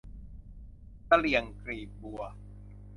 เสลี่ยงกลีบบัว